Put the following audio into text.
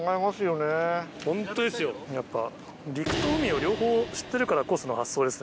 ホントですよやっぱ陸と海を両方知ってるからこその発想です